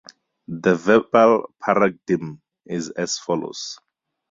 The verbal paradigm is as follows.